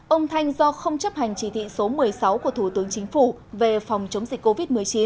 ông thanh do không chấp hành chỉ thị số một mươi sáu của thủ tướng chính phủ về phòng chống dịch covid một mươi chín